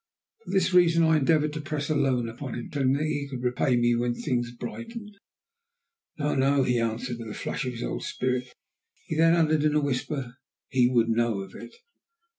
For this reason I endeavoured to press a loan upon him, telling him that he could repay me when things brightened. "No, no," he answered, with a flash of his old spirit; then he added in a whisper, "He would know of it!"